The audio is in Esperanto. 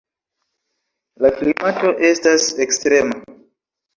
La klimato estas ekstrema.